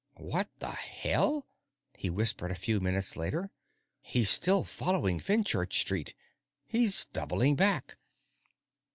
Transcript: "What the hell?" he whispered a few minutes later. "He's still following Fenchurch Street! He's doubling back!"